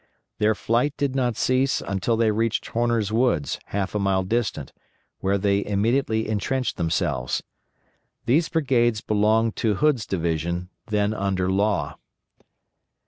Their flight did not cease until they reached Horner's woods, half a mile distant, where they immediately intrenched themselves. These brigades belonged to Hood's division, then under Law.